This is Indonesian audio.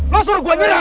lo suruh gue nyerah